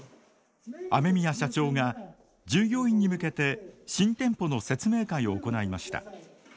雨宮社長が従業員に向けて新店舗の説明会を行いました。